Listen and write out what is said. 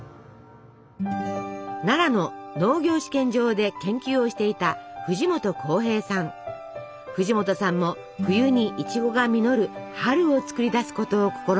奈良の農業試験場で研究をしていた藤本さんも冬にいちごが実る「春」を作り出すことを試みます。